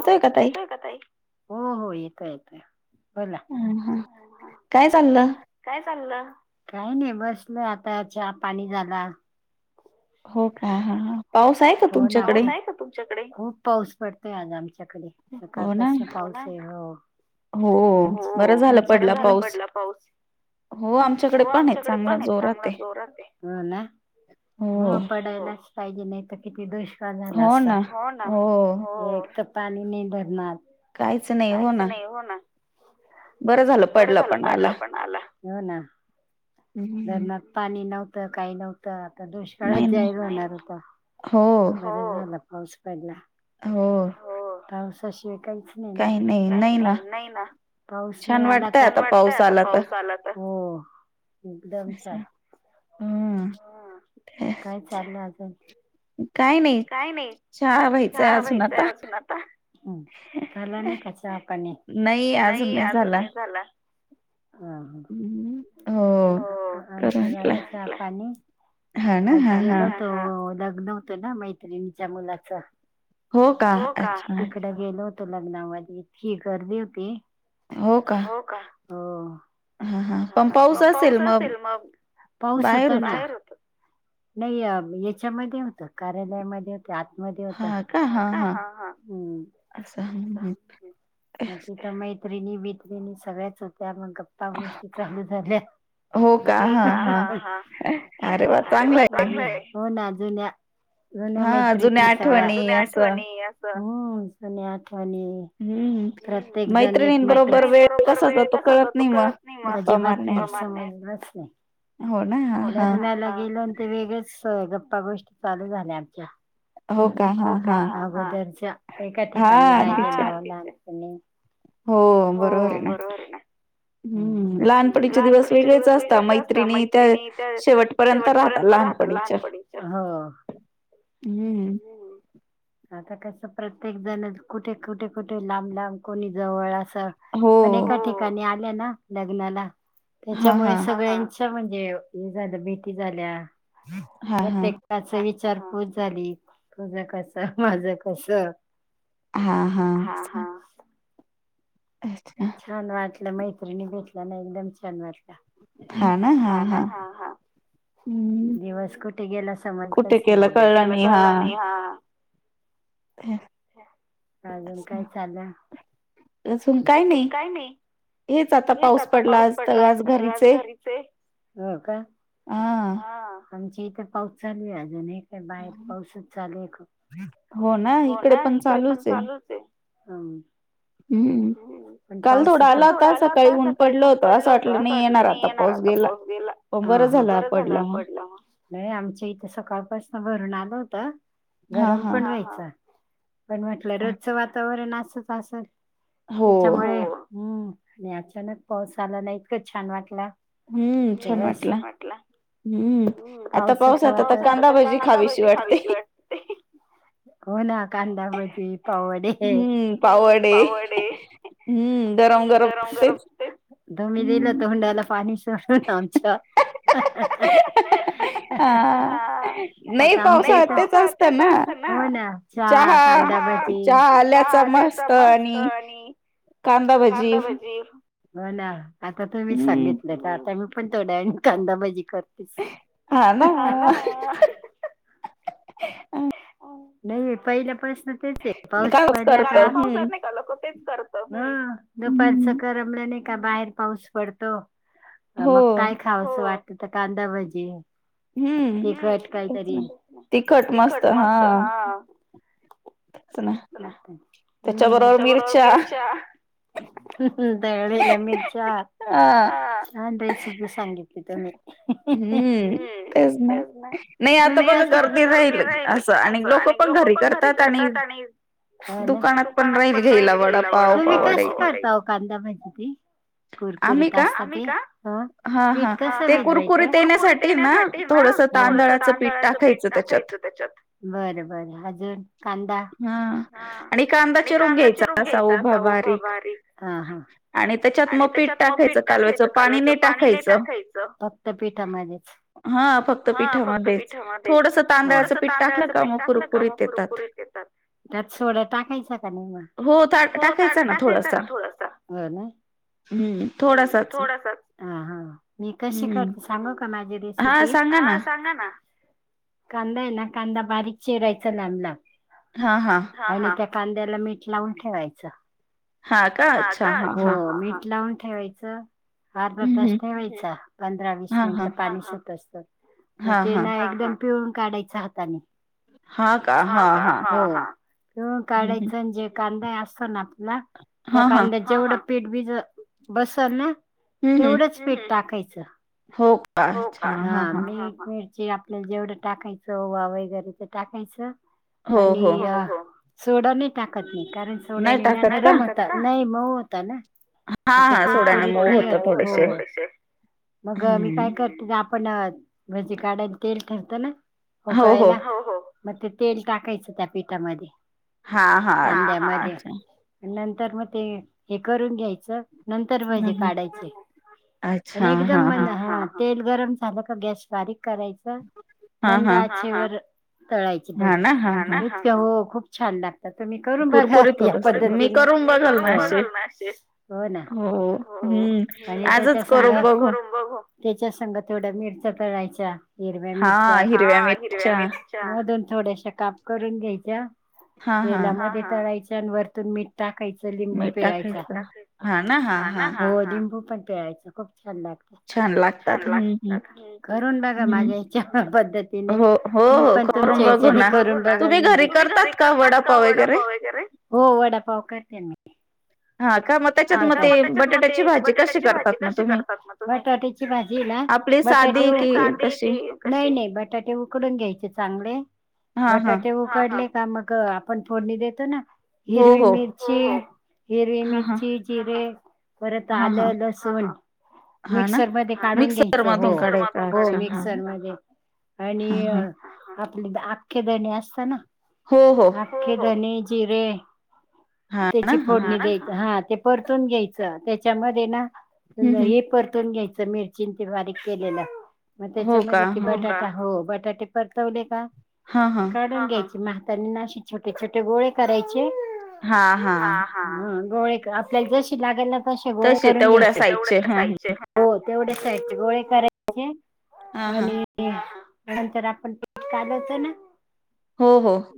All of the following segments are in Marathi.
आ येतय का तई हो हो येतोय येतोय अ हा काय चाललं? काय चाललं काही नाही बसलोय आता, चहा पाणी झाला हो का होना पाऊस आहे का तुमच्याकडे खूप पाऊस पडतय आज आमच्याकडे सकाळ सकाळ पासन पाऊस आहे हो हो बरं झालं पडला पाऊस हो आमच्याकडे पण आहे चांगला जोरात आहे हो ना मग पडायलाच पाहिजे नाही तर किती दुष्काळ झाला असता होना, हो--एक तर पाणी नाही धरणात काहीच नाही हो ना. बरं झालं पडलं पण आला. हो ना धरणात पाणी नव्हतं काही नव्हतं आता दुष्काळात जाहिर होणार होता बरं झाल पाऊस पडला हो सशेट काहीच नाही ना काही नाही नाही ना पाऊस नाही आला छान वाटतय आता पाऊस आला तर अच्छ हा काय चाललंय अजून काय नाही चहा व्हायचय अजून आता झाला नाही का चहा पाणी नाही अजून नाही झाला हम्म [unintelligible] हो आमच चहापा ह ना होत त ना मैतिणीच्या मुलाच हो का तिकड गेल होत तो लगणार वाज कर दे होते [unintelligible] हो का पण पाऊस असेल मग पाऊस होता ना आणि बाहेर होत नाही याच्यामध्ये होत कार्यालयामध्ये होत त्या आतमध्ये होत का हम् मग तिथ मैत्रिणी बित्रिणी सगळ्याच हो त्या मग गप्पा गोष्टी चालू झाल्या हो का ह ह अरे म जुन्या मैत्रिणी सगळ्या जुन्या आठवणी असं हम् जुन्या आठवणी प्रत्येक जणी मैत्रिणी बरोबर वेळ कसा जातो कळत नाही अजिबात नाही बस नाही [unintelligible] लग्नाला गेलो आणि ते वेगळेच गप्पा गोष्ट चालू झाल्या आमच्या हो का अगोदरच्या एका ठिकाणी राय हो बरोबर आहे ना हम्म लहानपणीचे दिवस वेगळेच असतात मैत्रिणी त्या शेवटपर्यंत राहतात ल ता लान पणीच ह हम्म आता कस प्रत्येक जण कुठे कुठे कुठे लांब लांब कोणी जवळ अस पण एका ठिकाणी आल्या ना लनाला त्याच्यामुळे सगळ्यां म्हणजे भेटी झाल्या प्रत्येका विचारपूस झाली तुझ कस माझ कस हा हा छान वाटलं मैत्रिणी भेेटल्या ना एकदम छान वाटलं हा ना हा हा दिवस कुठे गेला समजलंच नाही कुठे गेला कळलं नाही हा अजून काय चालं अजून काय नाही हे ईथ आता पाऊस पडला सगळे आज घरीचे हो का हा आमच्या इथे पाऊस चालू आहे अजूनही काय बाहेर पाऊसच चालय का हो ना इकडे पण चालूच आहे ह [inaudible] हम्म काल थोडा आला होता सकाळी ऊन पडलं होतं असं वाटलं नाही येणार आता पाऊस गेला गेला बरं झालं पडला आमच्या इथं सकाळपासन भरून आलं होत गरम पण व्हायचं पण म्हटलं रोजचं वातावरण असच असल त्याच्यामुळे हम्म आणि अचानक पाऊस आला नाही इतक छान वाटला एवढच छान वाटला हम् पासात आ पावसात आता कांदा भाजी खावीशी वाटते हो ना कांदाभजी पावडे हम् पावडे हम् गरम गरम तुम्ही दिलं तोंडाला पाणी सूटलन आमच्या अ [unintelligible] हा आता आह अस ना चहा कांदा भजी चहा आल्याचा मस्त आणि कांदा भजी हो ना आता तु मी सांगितलं आता मी पण थोड्या वेळाने कांदा भजी कर हा ना हऽऽऽ नाही पहिला प्रश्न तेच आ, हे पाऊस पडला का कुठेच कारण पाऊस नाहीच. कुठेच. हा,,,, दुपारचं करमलं नाही का बाहेर पाऊस पडतो. मग काय खावं असं वाटत तर कांदा भाजी,,,, तिखट काहीतरी तिखट मस्त हाऽऽऽ ह्या च्या बरोबर मिरच्या,, हम. तळलेल्या मिीरच्या. ति सांगितली त मी. हम्म,,, तेच नाही, नाही आता बघ गर्दी राहील असं आणि लोक,, आणि लोक पण घरी करतात आणि,, हो ना,, दूकानात पण राहील घ्यायला वडापाव. तुम्ही कशे करता ओ कांदा भाजी ते,,, कुरकुरीत असत पीठ,, आम्ही का,,, पीठ कसं भिजवाय ते कुरकुरीत येण्यासाठी ना थोडस तांदळाचं पीठ टाकायचं त्याच्यात,,,,,,, बर बर. हजन कांदा. हा आणि कांदा चिरून घ्यायचा असा उभा बारीक. आणि त्याच्यात मग पीठ टाकायचं कालवायचं पाणी नाही टाकायचं. त्या पीठामध्येच.. हा फक्त पिठामध्येच थोडस तांदळाचं पीठ टाकलं का मग कूरकूरीत येतात.. त्यात सोडा टाकायचा का नाही म. हो टाकायचा ना थोडासा.. थोडासा,, मी कशी करते.. सांगू का माझी रेसिपी,,,,, हा सांगा ना. कांदा आहे ना, कांदा बारीक चिरायचा लांबलांब. हा हाऽऽ कांद्याला मीठ लावून ठेवायच,, हा का अच्छा हा हा. ठेवायचं, अर्धा तास ठेवायचा, पंधरा वीस मिनिटं पाणी सुटस्तवर.. मग ते ना एकदम पिळून काढायच हाताने,,,, हा का,,,, हो.. पिळून काढायच न जे कांदा असतो ना आपला त्या कांद्यात जेवढंऽऽऽ पिठ बसल ना,, तेवढचं पिठ टाकायचं. हो का हा ऽऽमी,, ते आपल्याला जेवढं टाकायचं, ओवा वगैरे ते टाकायचं आणिऽऽऽ सोडा नाही टाकत मी, कारण सोड्याने ना नरम होतात ना,, नाही मऊ होता ना... आ हा,, सोड्याने मऊ होतात थोडेसे. मग मी.. ज आपण भजी काढायला तेल ठेवतो ना,,,, उकळायला. हो, हो,, मग ते तेल टाकायचं त्या पिठामध्ये,,, कांद्यामध्ये नंतऽऽ तर मग ते, हे करून घ्यायचं.. नंतर भजे काढायचे,, प एकदम म ह.. तेल गरम झालं का गॅस बारीक करायचा,,,, मंद आचीवर.. तळायची भाजी,, हा ना,,, इतक्या हो खूप छान लागते.. तर तुम्ही करून बघा या पद्धतीने,,,, मी करून बघल ना,,, हो ना.. आणि त्यांच्या संग,, आजच करून बघू,,. त्यच्या संग थोड्या मिरच्या तळायच्या, हिरव्या मिरच्या, हां हिरव्या मिरच्या.. मधून थोड्याशा काप करून घ्यायच्या, तेलामध्ये तळायच्या आणि वरतून मीठऽऽ टाकायच लिंबू पिळायच हा ना हा, हा लिंबू पण पिळायचं खूप छान लागतं छान लागतात करून बघा माझ्या हच्या पद्धतीने मी पण हो, हो. करून बघा म्हणजे तुम्ही घरी करतात का वडापाव वगैरे हो वडापाव करते मी. ह का मग त्याच्यात मग ते बटाट्याची भाजी कशी करतात मग, बटाट्याची भाज्या ना बटाटे आपली साधीकी कशी नाही, नाही बटाटे उकडून घ्यायचे चांगले बटाटे उकाडले हा, हा ता मग आपण फोडणी देतो ना हिरवी मिरची, हिरवी मिर चि जिरे परत आलं, लसूण मिक्सर मध्ये काढून घ्यायचं हो, हो मिक्सर मध्ये आणि आप आख्खे धणे असत ना, आख्खे धणे जिरे त्याची फोडणी द्याय हा ते परतून घ्यायचं त्याच्यामध्ये ना हे परतून घ्यायचं मिरची ते बारीक केलेलं मग त्याच्यामध्ये ते बटाटा, हो बटाटे परतवले का? काढून घ्यायची म हातानी ना अशे छोटे छोटे गोळे करायचे हा, हा हम गोळे आपल्याला जशी लागाला तशे गोळ करून घ्यायचे तेवढ्या साइजचे होय तेवढे साईचे गोळे करायचे आणि नंतर आपण पीठ कालवतो ना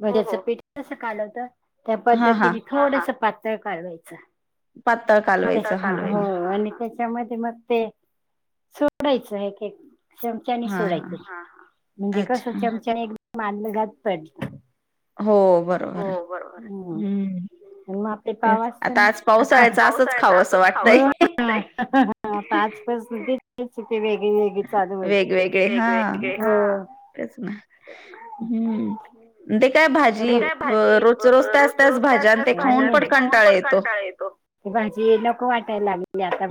भज्याच पीठ कस कालवतो त्या पद्धतीने थोडस पातळ कालवायचं हो आणि त्याचं त्याच्यामध्ये मग ते सोडायचं एकेक चमच्यानी सोडायच म्हणजे कसं चमच्यानी एकदम अलगत पडत हो बरोबर आहे हम्म मग आपले पाव असत ना आता आ पावसाळा्याच असच खावस वाटतय हम [unintelligible] ते वेगळी वेगळी चालू व्हायचे वेगवेगळे ह हम्म ते काय भाजी हो रोजच रोज त्याच त्याच भाज्या आणि ते खाऊन पण कंटाळा येतो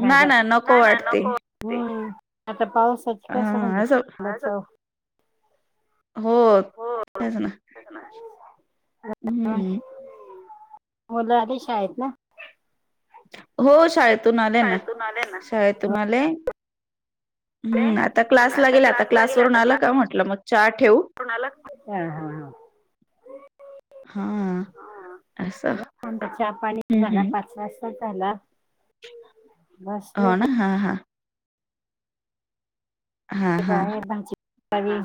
ना ना नको वाटते पावसात कस म्हणजे हो तेच ना हम्म मुलं आली शाळेतन? हो शाळेतून आले ना, शाळेतून आले हम्म आता क्लासला गेला आता क्लासवररून आलं का म्हटलं म चहा ठेवू कुणाला हा, हा, हा [unintelligible] हा अस हम्, हम् होताला हो ना हा, हा बाय भाजी वी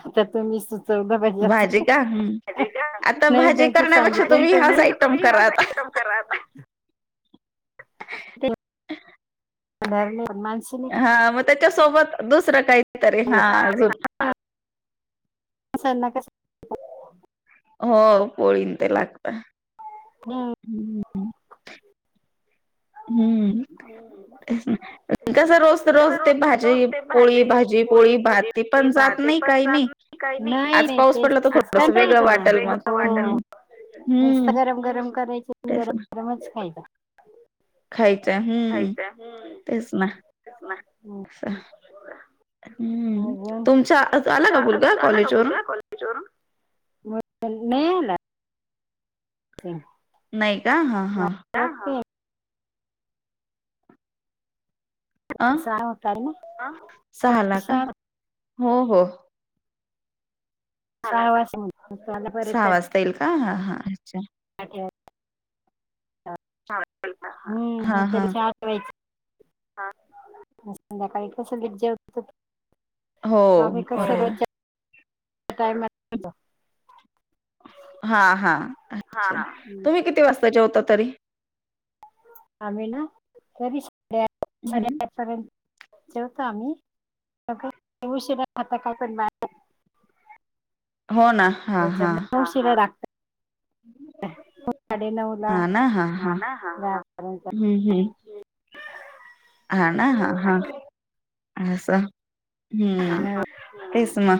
आता तुम्ही सु चौदा भाजी याचा का नाही बज सांग तुम्ही हाम कराता तील माणसिने त्याच्या सोबत दुसरं काही तरी हा अजून अस ना कस हो पोळीला ते लागतं ह हम्म कस रोजजते भाजी पोळी भाजीपोळी भात ते पण जात ना नाही रे ते कर हो नुसत गरम गरम करायच आणि गरम गरमच खायच खायचं हम्म तेच ना असं अ तुमचा आला का पोरगा कॉलेज वरुन मुल नायी आला नाही का हा हा सहा होताय ना पावने सा हो हो हवा सहा वाजता येल का ह हाछ हम् [unintelligible] संध्याकाळी कस लिट जेवत हो बर टम हा हा अच्छा तुम्ही किती वाजता जेवता तरी आम्ही ना तरी साठ साडेआठ पर्यंत जेवतो आम्ही. शीरा आता काय पण हो ना हा हा ह साडे नऊला हम्म हम्म हा ना हा हा असस हम्म तेसमा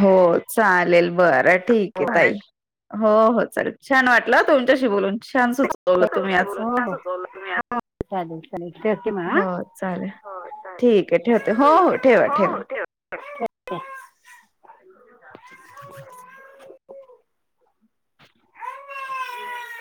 हो चालेल बरं ठीक आहे तई हो हो चाल छान वाटलं तुमच्याशी बोलून चाले चालेल ठक म हो चालेल ठीक आहे ठेव हो ठेव [inaudible] [inaudible]